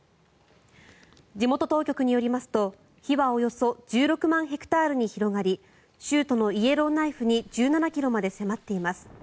地元当局によりますと火はおよそ１６万ヘクタールに広がり州都のイエローナイフに１７ｋｍまで迫っています。